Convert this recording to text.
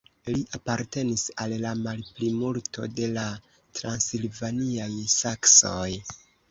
Li apartenis al la malplimulto de la transilvaniaj saksoj.